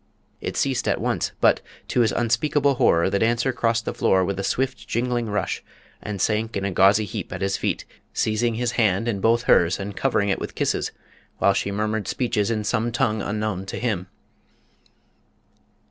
It ceased at once; but, to his unspeakable horror, the dancer crossed the floor with a swift jingling rush, and sank in a gauzy heap at his feet, seizing his hand in both hers and covering it with kisses, while she murmured speeches in some tongue unknown to him.